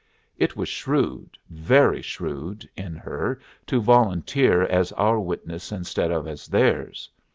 It was shrewd, very shrewd, in her to volunteer as our witness instead of as theirs.